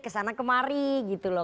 kesana kemari gitu loh